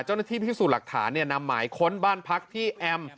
เจ้าหน้าที่พิสูจน์หลักฐานนำหมายค้นบ้านพักที่แอม